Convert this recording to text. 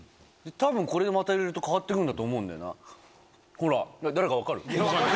たぶんこれでまた入れると変わってくるんだと思うんだよな。